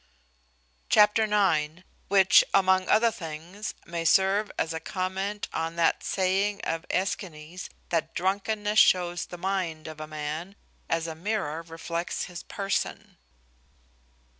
Chapter ix. Which, among other things, may serve as a comment on that saying of Aeschines, that "drunkenness shows the mind of a man, as a mirrour reflects his person."